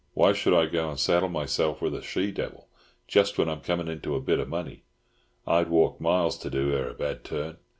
Why should I go and saddle myself with a she devil just when I'm coming into a bit of money? I'd walk miles to do her a bad turn."